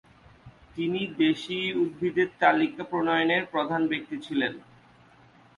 তিনি দেশী উদ্ভিদের তালিকা প্রণয়নের প্রধান ব্যক্তি ছিলেন।